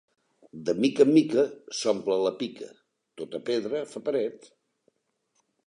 De mica en mica s’omple la pica: tota pedra fa paret.